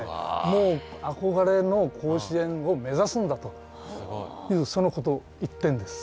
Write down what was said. もうあこがれの甲子園を目指すんだというそのこと一点です。